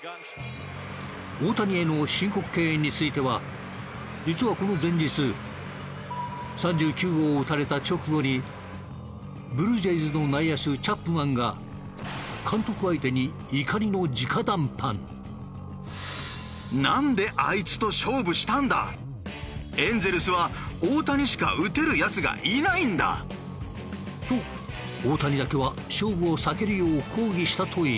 大谷への申告敬遠については実はこの前日３９号を打たれた直後にブルージェイズの内野手チャップマンが監督相手に怒りの直談判。と大谷だけは勝負を避けるよう抗議したという。